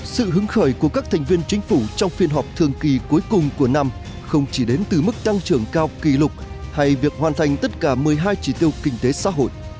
sự hứng khởi của các thành viên chính phủ trong phiên họp thường kỳ cuối cùng của năm không chỉ đến từ mức tăng trưởng cao kỷ lục hay việc hoàn thành tất cả một mươi hai chỉ tiêu kinh tế xã hội